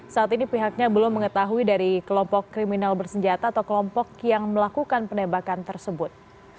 saat ini pihaknya belum mengetahui dari kelompok kriminal bersenjata atau kelompok yang melakukan penembakan tersebut